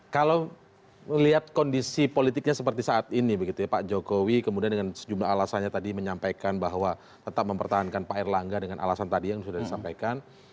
kalau melihat kondisi politiknya seperti saat ini begitu ya pak jokowi kemudian dengan sejumlah alasannya tadi menyampaikan bahwa tetap mempertahankan pak erlangga dengan alasan tadi yang sudah disampaikan